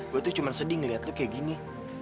gue tuh cuma sedih ngeliat lu kayak gini